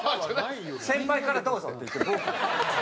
先輩からどうぞっていって僕。